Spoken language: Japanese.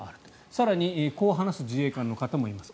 更にこう話す自衛官の方もいます。